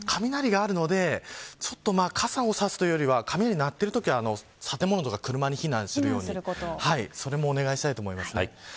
雷があるので傘を差すというよりは雷が鳴っているときは建物や車に避難するようにそれもお願いしたいと思います。